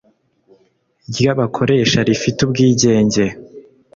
ry abakoresha rifite ubwigenge